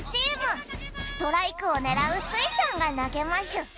ストライクをねらうスイちゃんがなげましゅ